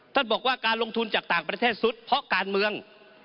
ท่านบอกว่าการลงทุนจากต่างประเทศสุดเพราะการเมือง